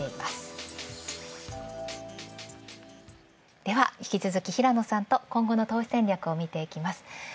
では引き続き平野さんと今後の投資戦略を見ます。